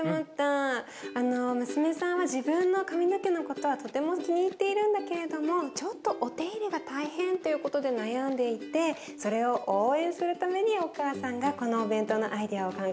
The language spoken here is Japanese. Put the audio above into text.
娘さんは自分の髪の毛のことはとても気に入っているんだけれどもちょっとお手入れが大変ということで悩んでいてそれを応援するためにお母さんがこのお弁当のアイデアを考えたそうだよ。